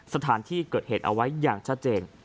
สถานที่เกิดเหตุเอาไว้อย่างชัดเจน